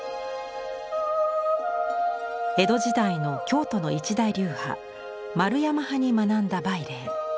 江戸時代の京都の一大流派円山派に学んだ楳嶺。